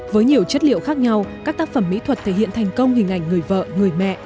với nhiều chất liệu khác nhau các tác phẩm mỹ thuật thể hiện thành công hình ảnh người vợ người mẹ